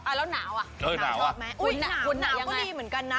อ้าแล้วหนาวอ่ะคุณหนาวว่ะยังไงคุณหนาวก็ดีเหมือนกันนะ